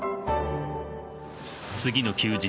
次の休日